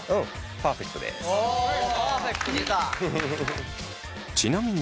パーフェクトきた！